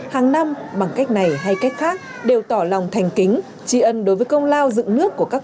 hàng năm bằng cách này hay cách khác đều tỏ lòng thành kính tri ân đối với công lao dựng nước của các